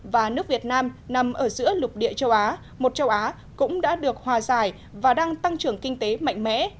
và nước việt nam nằm ở giữa lục địa châu á một châu á cũng đã được hòa giải và đang tăng trưởng kinh tế mạnh mẽ